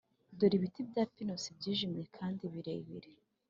dore ibiti bya pinusi byijimye kandi birebire,